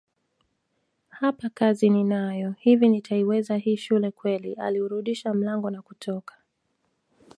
Hapa kazi ninayo hivi nitaiweza hii shule kweli Aliurudisha mlango na kutoka